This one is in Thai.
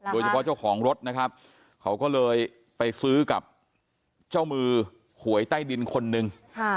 โดยเฉพาะเจ้าของรถนะครับเขาก็เลยไปซื้อกับเจ้ามือหวยใต้ดินคนหนึ่ง